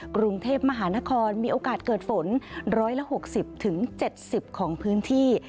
กรุงเทพมหานครมีโอกาสเกิดฝน๑๖๐๗๐ของพื้นที่